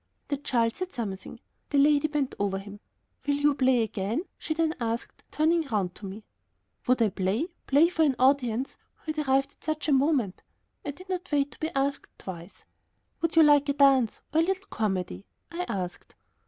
The child said something. The lady bent over him. "Will you play again?" she then asked, turning round to me. Would I play? Play for an audience who had arrived at such a moment! I did not wait to be asked twice. "Would you like a dance or a little comedy?" I asked.